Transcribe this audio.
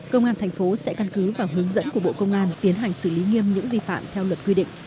công an tp cnh sẽ căn cứ vào hướng dẫn của bộ công an tiến hành xử lý nghiêm những vi phạm theo luật quy định